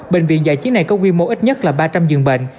bệnh viện giải chiến này có quy mô ít nhất là ba trăm linh giường bệnh